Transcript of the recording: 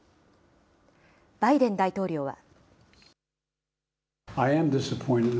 バイデン大統領は。